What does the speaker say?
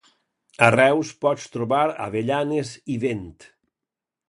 A Reus pots trobar avellanes i vent.